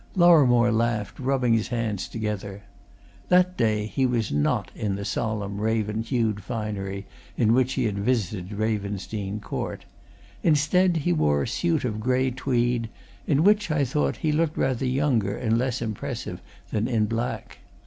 Lorrimore laughed, rubbing his hands together. That day he was not in the solemn, raven hued finery in which he had visited Ravensdene Court; instead he wore a suit of grey tweed, in which, I thought, he looked rather younger and less impressive than in black.